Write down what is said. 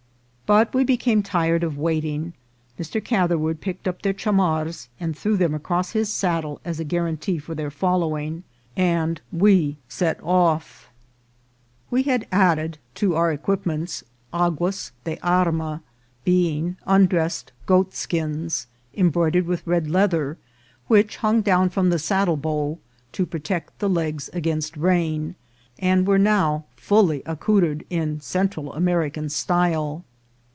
But we became tired of waiting. Mr. Catherwood picked up their cha mars and threw them across his saddle as a guarantee for their following, and we set off. S22 INCIDENTS OF TRAVEL. We had added to our equipments aguas de arma, be ing undressed goatskins embroidered with red leather, which hung down from the saddlebow, to protect the legs against rain, and were now fully accoutred in Central American style.